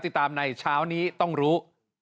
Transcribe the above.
ติดตามในเช้านี้ต้องรู้